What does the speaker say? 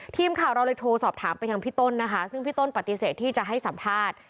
ทีมข่าวเราเลยโทรสอบถามไปทางพี่ต้นนะคะซึ่งพี่ต้นปฏิเสธที่จะให้สัมภาษณ์